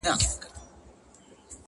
نفیب ټول ژوند د غُلامانو په رکم نیسې ـ